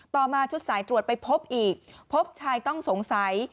ต่อมาชุดสายตรวจไปพบอีกพบชายต้องสงสัย